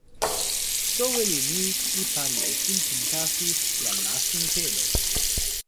soweli ni li pali e sinpin kasi lon nasin telo.